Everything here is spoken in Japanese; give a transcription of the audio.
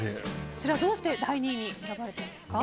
こちらどうして第２位に選ばれたんですか。